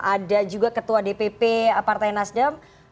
ada juga ketua dpp partai nasdem